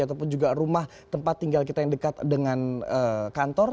ataupun juga rumah tempat tinggal kita yang dekat dengan kantor